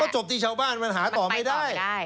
จบที่ชาวบ้านมันหาต่อไม่ได้